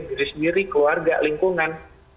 diri sendiri keluarga lingkungan